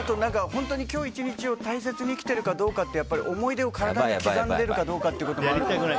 本当に今日１日を大切に生きているかって思い出を体に刻んでるかどうかというのもあるので。